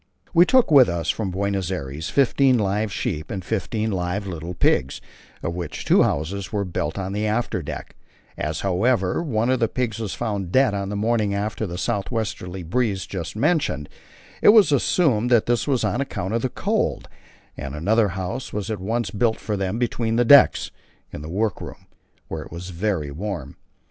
We took with us from Buenos Aires fifteen live sheep and fifteen live little pigs, for which two houses were built on the after deck; as, however, one of the pigs was found dead on the morning after the south westerly breeze just mentioned, I assumed that this was on account of the cold, and another house was at once built for them between decks (in the work room), where it was very warm.